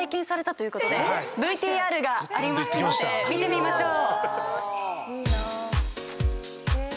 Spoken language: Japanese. ＶＴＲがありますので見てみましょう。